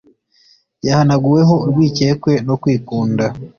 Yahanaguweho urwikekwe no kwikunda